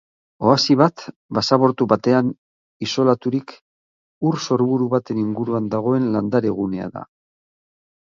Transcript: Oasi bat basamortu batean isolaturik ur sorburu baten inguruan dagoen landare gunea da.